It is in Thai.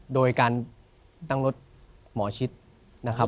โดยการตั้งรถหมอชิดนะครับ